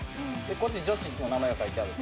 こっち女子の名前が書いてあると。